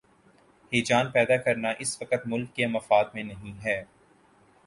ہیجان پیدا کرنا اس وقت ملک کے مفاد میں نہیں ہے۔